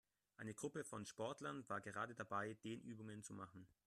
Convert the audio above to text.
Eine Gruppe von Sportlern war gerade dabei, Dehnübungen zu machen.